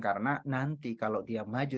karena nanti kalau dia maju